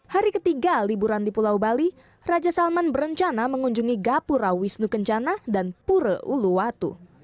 hari ketiga liburan di pulau bali raja salman berencana mengunjungi gapura wisnu kencana dan pura uluwatu